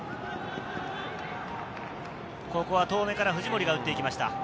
ここは遠目から藤森が打っていきました。